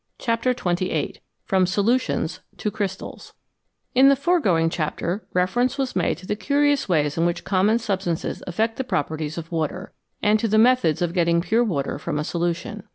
313 CHAPTER XXVIII FROM SOLUTIONS TO CRYSTALS IN the foregoing chapter reference was made to the curious ways in which common substances affect the properties of water, and to the methods of getting pure water from a solution.